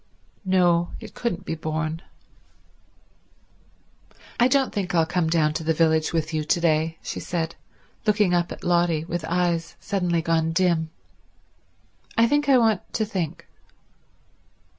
—no, it couldn't be borne. "I don't think I'll come down to the village with you to day," she said, looking up at Lotty with eyes suddenly gone dim. "I think I want to think."